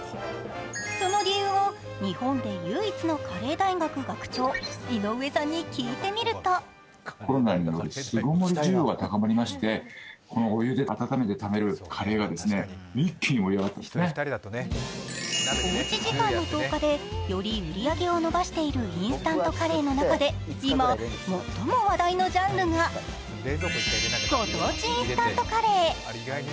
その理由を日本で唯一のカレー大学学長、井上さんに聞いてみるとおうち時間の増加でより売り上げを伸ばしているインスタントカレーの中で今、最も話題のジャンルがご当地インスタントカレー。